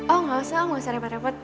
oh nggak usah nggak usah repot repot